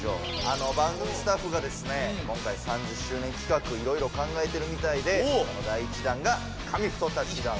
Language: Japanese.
番組スタッフが今回３０周年企画いろいろ考えてるみたいでその第１弾が「紙フトタッチダウン」。